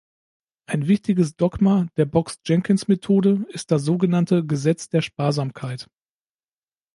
Ein wichtiges Dogma der Box-Jenkins-Methode ist das so genannte "Gesetz der Sparsamkeit".